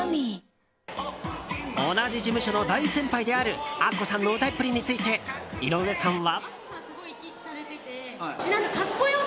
同じ事務所の大先輩であるアッコさんの歌いっぷりについて井上さんは。